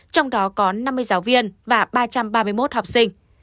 trong đó có năm mươi giáo viên và ba trăm ba mươi một học sinh